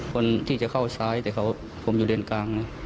คนที่จะเข้าซ้ายแต่ผมอยู่เลนกลางนะ